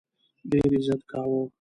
ډېر عزت کاوه.